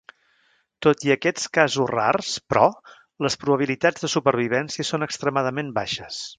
Tot i aquests casos rars, però, les probabilitats de supervivència són extremadament baixes.